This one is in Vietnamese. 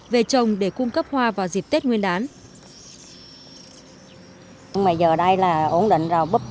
về trồng để cung cấp hoa vào dịp tết nguyên đán